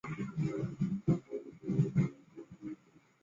因此宣称在古埃及出现的酵母最早证据仍有商酌余地。